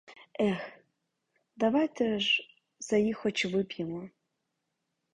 Ех, давайте ж за їх хоч вип'ємо.